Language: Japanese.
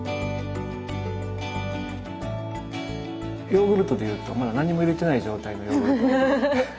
ヨーグルトでいうとまだ何も入れてない状態のヨーグルト。